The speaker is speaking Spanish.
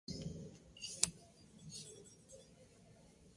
Su carrera militar tiene pocas hazañas gloriosas.